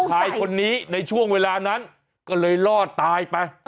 ชายคนนี้ในช่วงเวลานั้นก็เลยรอดตายไป